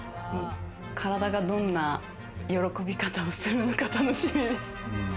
体がどんな喜び方をするのか楽しみです。